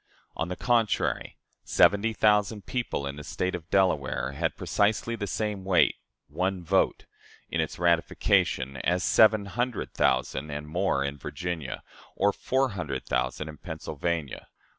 On the contrary, seventy thousand people in the State of Delaware had precisely the same weight one vote in its ratification, as seven hundred thousand (and more) in Virginia, or four hundred thousand in Pennsylvania.